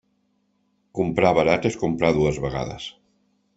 Comprar barat és comprar dues vegades.